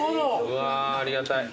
うわありがたい。